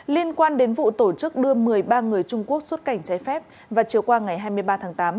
liên quan đến vụ tổ chức đưa một mươi ba người trung quốc xuất cảnh trái phép vào chiều qua ngày hai mươi ba tháng tám